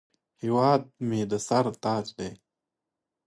هیواد مې د سر تاج دی